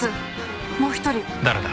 誰だ？